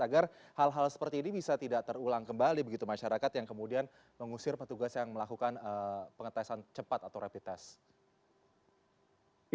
agar hal hal seperti ini bisa tidak terulang kembali begitu masyarakat yang kemudian mengusir petugas yang melakukan pengetesan cepat atau rapid test